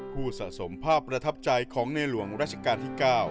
สะสมภาพประทับใจของในหลวงราชการที่๙